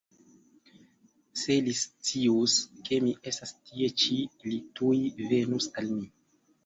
Se li scius, ke mi estas tie ĉi, li tuj venus al mi.